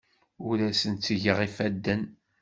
Ur asen-ttgeɣ ifadden.